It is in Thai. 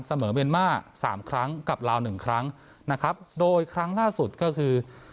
เสมอเวลมา๓ครั้งกับลาวนึงครั้งโดยครั้งล่าสุดก็คือ